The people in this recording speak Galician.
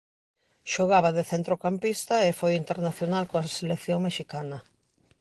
Xogaba de centrocampista e foi internacional coa selección mexicana.